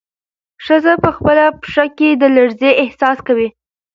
ښځه په خپله پښه کې د لړزې احساس کوي.